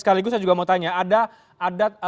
sekaligus saya juga mau tanya ada